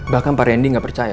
bahkan pak randy gak percaya